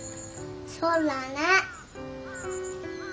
そうだね。